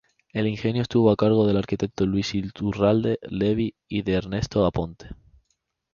El ingenio estuvo a cargo del arquitecto Luis Iturralde Levy y de Ernesto Aponte.